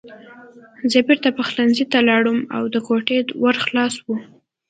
زه بېرته پخلنځي ته لاړم او د کوټې ور خلاص و